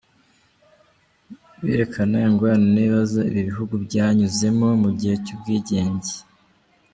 Birerekana ingorane n’ibibazo ibi bihugu byanyuzemo mu gihe cy’ubwigenge.